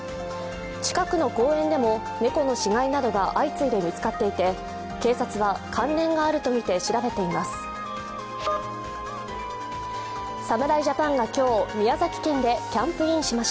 近くの公園でも猫の死骸などが相次いで見つかっていて警察は、関連があるとみて調べています。